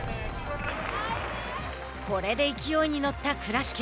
これで勢いに乗った倉敷。